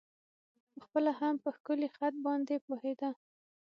په خپله هم په ښکلی خط باندې پوهېده.